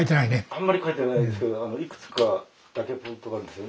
あんまり書いてないですけどいくつかだけポイントがあるんですよ。